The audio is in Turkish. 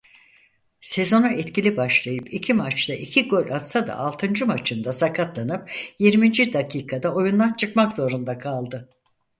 Sezona etkili başlayıp iki maçta iki gol atsa da altıncı maçında sakatlanıp yirminci dakikada oyundan çıkmak zorunda kaldı.